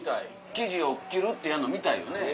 生地をキュルってやるの見たいよね。